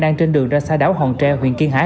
đang trên đường ra xa đảo hòn tre huyện kiên hải